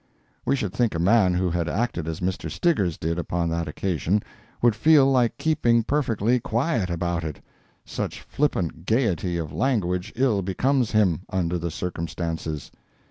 We should think a man who had acted as Mr. Stiggers did upon that occasion, would feel like keeping perfectly quiet about it. Such flippant gayety of language ill becomes him, under the circumstances.